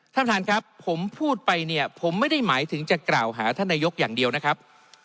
ท่านประธานครับผมพูดไปเนี่ยผมไม่ได้หมายถึงจะกล่าวหาท่านนายกอย่างเดียวนะครับ